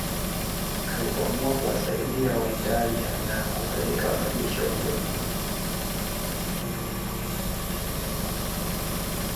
Alipoamua kuwasaidia Waitalia na kupeleka wanajeshi wa Ujerumani